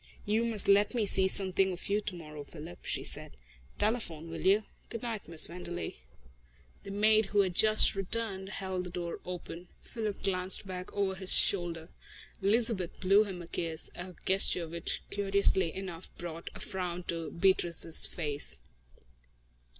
"You must let me see something of you tomorrow, Philip," she said. "Telephone, will you? Good night, Miss Wenderley." The maid, who had just returned, held the door open. Philip glanced back over his shoulder. Elizabeth blew him a kiss, a gesture which curiously enough brought a frown to Beatrice's face.